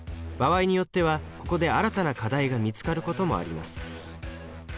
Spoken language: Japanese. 場合によってはここで新たな課題が見つかることもあります。